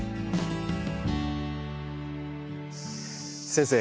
先生。